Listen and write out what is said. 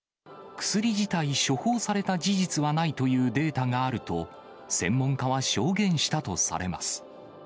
薬自体処方された事実はないというデータがあると、専門家は証言したとされます。